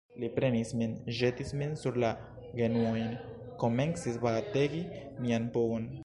Li prenis min, ĵetis min sur la genuojn, komencis bategi mian pugon.